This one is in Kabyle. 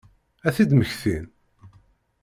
Ad t-id-mmektin?